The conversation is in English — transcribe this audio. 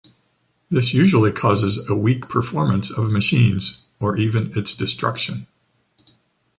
This usually causes a weak performance of machines or even its destruction.